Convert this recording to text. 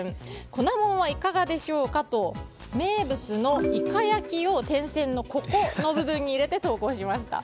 粉もんはいかがでしょうかと名物のいか焼きを、点線の部分に入れて投稿しました。